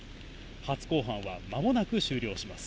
初公判はまもなく終了します。